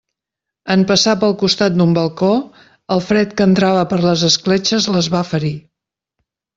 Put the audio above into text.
En passar pel costat d'un balcó, el fred que entrava per les escletxes les va ferir.